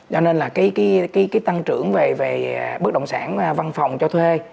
cho nên là cái tăng trưởng về bất động sản văn phòng cho thuê